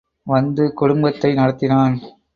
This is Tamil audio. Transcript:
வந்து குடும்பத்தை நடத்தினான்.